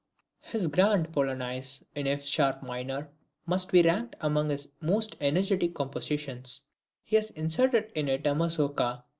His GRAND POLONAISE in F SHARP MINOR, must be ranked among his most energetic compositions. He has inserted in it a MAZOURKA.